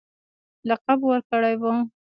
لقب ورکړی وو.